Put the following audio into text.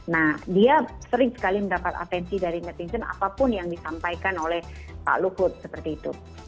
nah dia sering sekali mendapat atensi dari netizen apapun yang disampaikan oleh pak luhut seperti itu